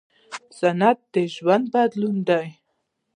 صنعت د ژوند بدلون دی.